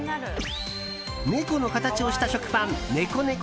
猫の形をした食パンねこねこ